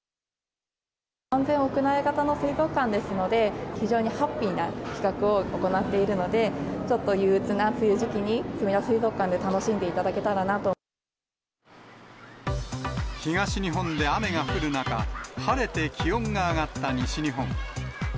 完全屋内型の水族館ですので、非常にハッピーな企画を行っているので、ちょっと憂うつな梅雨時期に、すみだ水族館で楽しんでいただけ東日本で雨が降る中、晴れて気温が上がった西日本。